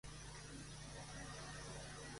Además está asociado con A. R. Rahman.